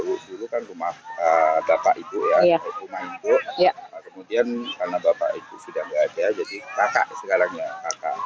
rusul kan rumah bapak ibu ya kemudian karena bapak itu sudah jadi kakak sekarang ya kakak